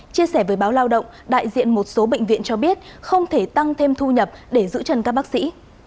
chia sẻ với báo lao động đại diện một số bệnh viện cho biết không thể tăng thêm thu nhập để giữ chân các bác sĩ